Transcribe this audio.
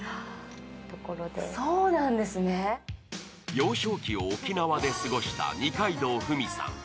幼少期を沖縄で過ごした二階堂ふみさん。